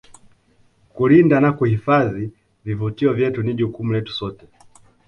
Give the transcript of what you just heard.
kulinda na kuhifadhi vivutio vyetu ni jukumu letu sote